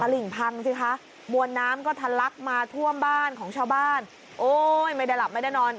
ลิงพังสิคะมวลน้ำก็ทะลักมาท่วมบ้านของชาวบ้านโอ้ยไม่ได้หลับไม่ได้นอน